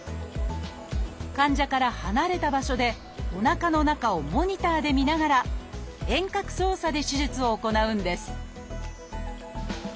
患者から離れた場所でおなかの中をモニターで見ながら遠隔操作で手術を行うんです